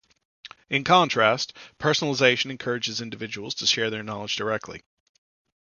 In contrast, personalization encourages individuals to share their knowledge directly.